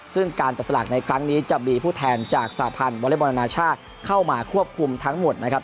ซึ่งการจับสลากในครั้งนี้จะมีผู้แทนจากสาพันธ์วอเล็กบอลอนาชาติเข้ามาควบคุมทั้งหมดนะครับ